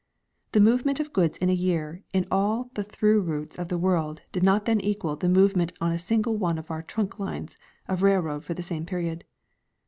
" The movement of goods in a year on all the through routes of the world did not then equal the movement on a single one of our trunk lines of railroad for the same period."